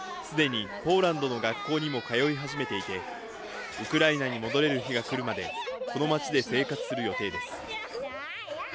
すでにポーランドの学校にも通い始めていて、ウクライナに戻れる日が来るまで、この街で生活する予定です。